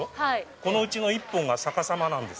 このうちの１本が逆さまなんです。